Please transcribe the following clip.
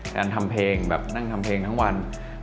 การทำเพลงแบบนั่งทำเพลงทั้งวัน